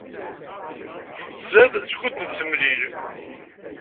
Tettzad skud nettemlil.